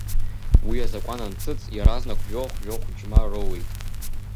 Уи азакәан анҭыҵ, иаразнак жәохә-жәохә џьма роуит.